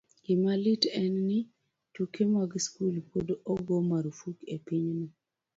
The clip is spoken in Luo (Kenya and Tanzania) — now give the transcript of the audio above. Gima lit en ni, tuke mag skul pod ogo marfuk e pinyno.